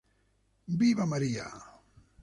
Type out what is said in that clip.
Viva María!